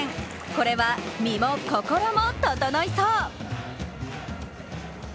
これは身も心もととのいそう！